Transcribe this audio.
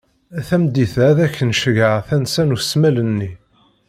Tameddit-a, ad ak-n-ceggεeɣ tansa n usmel-nni.